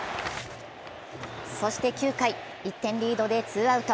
そして９回、１点リードでツーアウト。